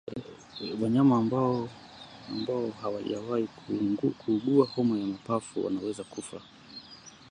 Wanyama ambao hawajawahi kuugua homa ya mapafu wanaweza kufa